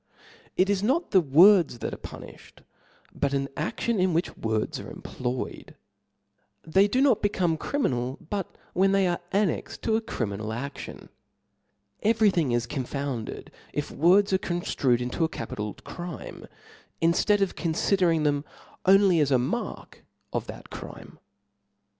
It is not the words that are pu nilbed, but an adlion in which words are employ * ed, They do not become criminal, but when they are annexed to a criminal aftion : every thing is confounded, if words are conftrued into a capi tal crime, inftead of confidering them only as s^ mark of that crime.